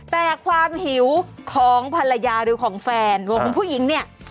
แต่ความหิวของภรรยาหรือของแฟนวงของผู้หญิงเนี่ย